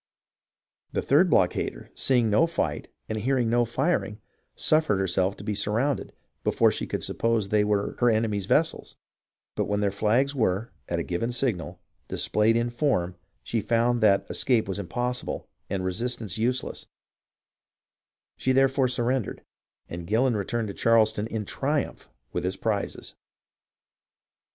The third blockader, seeing no fight and hearing no firing, suffered herself to be sur rounded, before she could suppose they were her enemy's vessels ; but when their flags were, at a given signal, dis played in form, she found that escape was impossible and resistance useless ; she therefore surrendered, and Gillon returned into Charleston in triumph with his prizes.